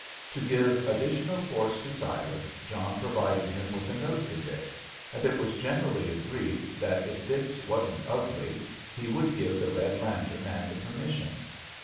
To give additional force to Silas, John provided him with a note to Dix, and it was generally agreed that if Dix wasn't ugly, he would give the red lantern and the permission.